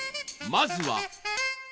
まずは。